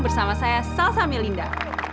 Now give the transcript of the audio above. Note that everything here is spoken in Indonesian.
bersama saya salsa melinda